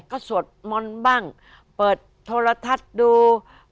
ก็สวดมนต์บ้างเปิดโทรทัศน์ดู